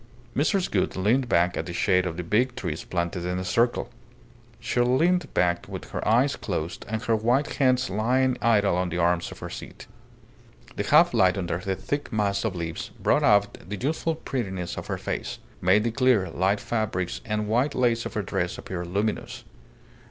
Mrs. Gould leaned back in the shade of the big trees planted in a circle. She leaned back with her eyes closed and her white hands lying idle on the arms of her seat. The half light under the thick mass of leaves brought out the youthful prettiness of her face; made the clear, light fabrics and white lace of her dress appear luminous.